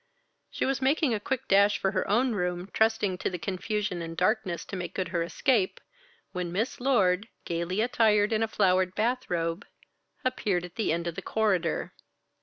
She was making a quick dash for her own room, trusting to the confusion and darkness to make good her escape, when Miss Lord, gaily attired in a flowered bath robe, appeared at the end of the corridor.